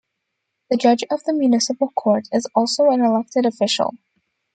The judge of the municipal court is also an elected official.